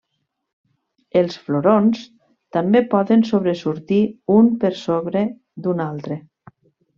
Els florons també poden sobresortir un per sobre d'un altre.